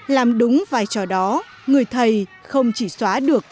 làm đúng vai trò đó người thầy không chỉ xóa được